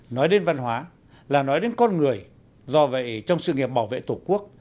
nói đến văn hóa là nói đến con người do vậy trong sự nghiệp bảo vệ tổ quốc